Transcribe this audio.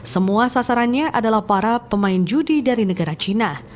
semua sasarannya adalah para pemain judi dari negara cina